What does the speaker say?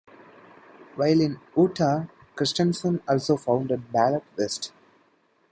While in Utah, Christensen also founded Ballet West.